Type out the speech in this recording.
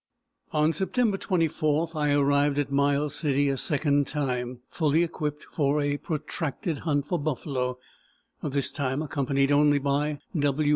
On September 24 I arrived at Miles City a second time, fully equipped for a protracted hunt for buffalo; this time accompanied only by W.